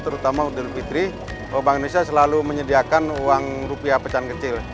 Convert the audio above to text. terutama idul fitri bank indonesia selalu menyediakan uang rupiah pecahan kecil